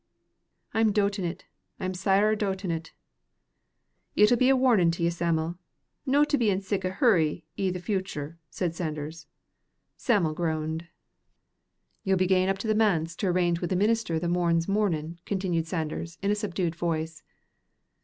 "I'm dootin't; I'm sair dootin't." "It'll be a warnin' to ye, Sam'l, no to be in sic a hurry i' the futur," said Sanders. Sam'l groaned. "Ye'll be gaein up to the manse to arrange wi' the minister the morn's mornin'," continued Sanders, in a subdued voice.